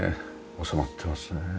収まってますね。